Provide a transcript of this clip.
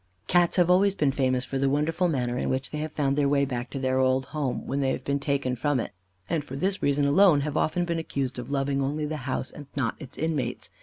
Cats have always been famous for the wonderful manner in which they have found their way back to their old home, when they have been taken from it, and for this reason alone, have often been accused of loving only the house and not its inmates.